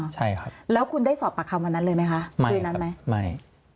ใช่ครับแล้วคุณได้สอบปากคำวันนั้นเลยไหมคะคืนนั้นไหมไม่